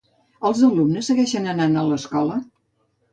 Els alumnes segueixen anant a l'escola?